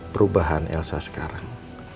perubahan elsa sekarang